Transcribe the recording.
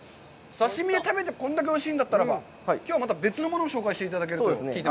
刺身で食べてこんだけおいしいんだったら、きょう、また別のものを紹介していただけると。